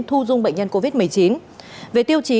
thu dung bệnh nhân covid một mươi chín về tiêu chí